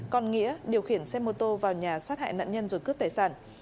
còn nghĩa điều khiển xe mô tô vào nhà sát hại nạn nhân rồi cướp tài sản